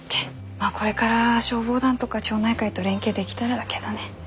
まあこれから消防団とか町内会と連携できたらだけどね。